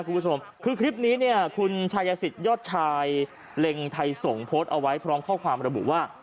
คุณผู้ชมคือคลิปนี้เนี่ยคุณชายสิทธิยอดชายเล็งไทยส่งโพสต์เอาไว้พร้อมข้อความระบุว่า